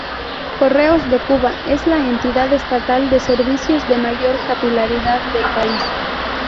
Correos de Cuba es la entidad estatal de servicios de mayor capilaridad del país.